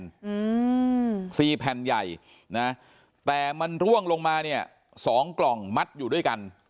อืมสี่แผ่นใหญ่นะแต่มันร่วงลงมาเนี้ยสองกล่องมัดอยู่ด้วยกัน